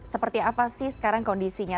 seperti apa sih sekarang kondisinya